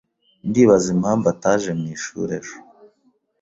Ndibaza impamvu ataje mwishuri ejo.